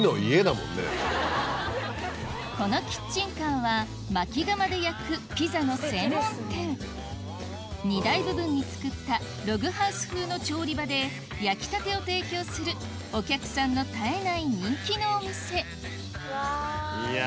このキッチンカーは薪窯で焼くピザの専門店荷台部分につくったログハウス風の調理場で焼きたてを提供するお客さんの絶えない人気のお店いや